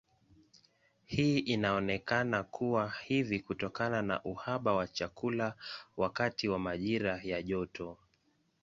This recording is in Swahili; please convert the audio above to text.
Hii inaonekana kuwa hivi kutokana na uhaba wa chakula wakati wa majira ya joto.